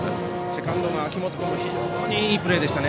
セカンドの秋元君も非常にいいプレーでした。